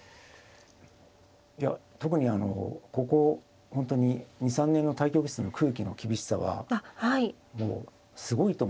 特にここ本当に２３年の対局室の空気の厳しさはもうすごいと思います。